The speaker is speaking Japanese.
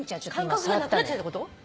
感覚がなくなってるってこと？